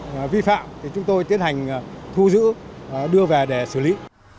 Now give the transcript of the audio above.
và vi phạm thì chúng tôi tiến hành thu giữ đưa về để xử lý